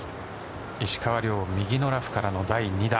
石川遼、右のラフからの第２打。